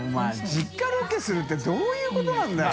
実家ロケするってどういうことなんだよ？